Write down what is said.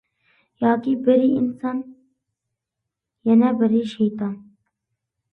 ياكى بىرى ئىنسان يەنە بىرى شەيتان.